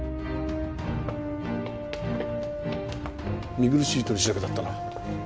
見苦しい取り調べだったな。